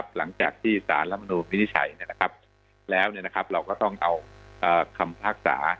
หลังจากที่สารรัฐมนุนวินิจฉัยแล้วเราก็ต้องเอาคำพิพากษา